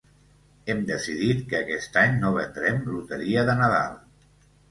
Hem decidit que aquest any no vendrem loteria de Nadal.